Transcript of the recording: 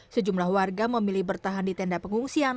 sejumlah warga memilih bertahan di tenda pengungsian